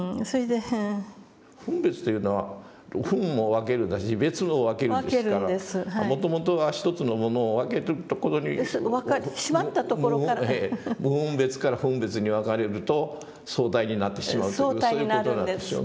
「分別」というのは「分」も「分ける」だし「別」も「別ける」ですからもともとは一つのものを分けるところに無分別から分別に分かれると相対になってしまうというそういう事なんでしょうね。